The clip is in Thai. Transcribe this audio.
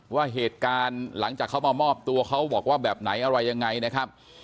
ว่าเหตุการณ์หลังจากเขามามอบตัวเขาบอกว่าแบบไหนอะไรยังไงนะครับ